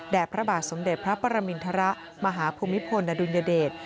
พระบาทสมเด็จพระปรมินทรมาหาภูมิพลอดุลยเดช